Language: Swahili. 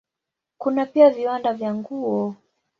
Kuna pia viwanda vya nguo.